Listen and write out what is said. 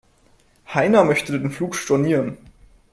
Heiner möchte den Flug stornieren.